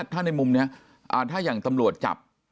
ถ้าในมุมนี้ถ้าอย่างตำรวจจับ